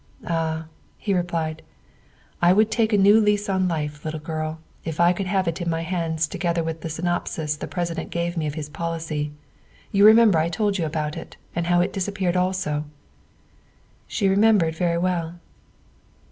"Ah," he replied, " I would take a new lease on life, little girl, if I could have it in my hands together with the synopsis the President gave me of his policy you remember I told you about it and how it disappeared also?" She remembered very well.